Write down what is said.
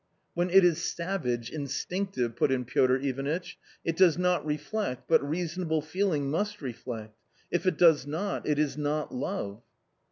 " When it is savage, instinctive," put in Piotr Ivanitch, " it does not reflect, but reasonable feeling must reflect ; if it does not, it is not love."